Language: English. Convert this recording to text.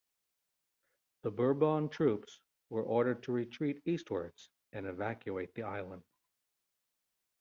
The Bourbon troops were ordered to retreat eastwards and evacuate the island.